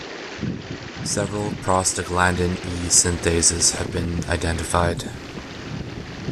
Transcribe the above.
Several prostaglandin E synthases have been identified.